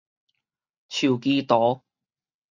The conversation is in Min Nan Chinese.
樹枝圖